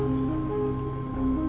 itu orang tua kamu juga